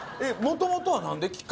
もともとは何で？